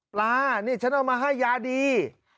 นี่ฉันเอามาให้ยาดี